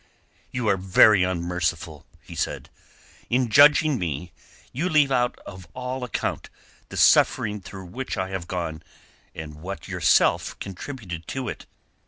"You are very unmerciful," he said. "In judging me you leave out of all account the suffering through which I have gone and what yourself contributed to it.